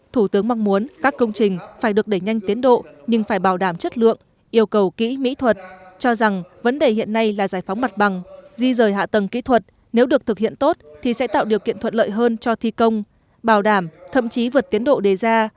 thủ tướng mong muốn các công trình phải được đẩy nhanh tiến độ nhưng phải bảo đảm chất lượng yêu cầu kỹ mỹ thuật cho rằng vấn đề hiện nay là giải phóng mặt bằng di rời hạ tầng kỹ thuật nếu được thực hiện tốt thì sẽ tạo điều kiện thuận lợi hơn cho thi công bảo đảm thậm chí vượt tiến độ đề ra